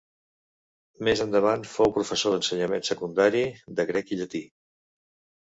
Més endavant fou professor d'ensenyament secundari de grec i llatí.